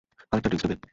আরেকটা ড্রিঙ্ক নেবে?